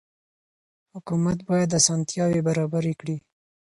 حکومت بايد اسانتياوي برابري کړي.